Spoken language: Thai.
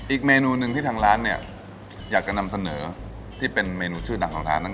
อีกเมนูหนึ่งที่ทางร้านเนี่ยอยากจะนำเสนอที่เป็นเมนูชื่อดังของร้าน